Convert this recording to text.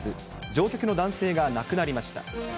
乗客の男性が亡くなりました。